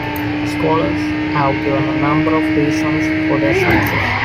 Scholars have given a number of reasons for their success.